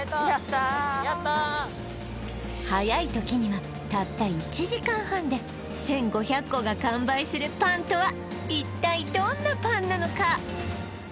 たー早い時にはたった１時間半で１５００個が完売するパンとは一体どんなパンなのか？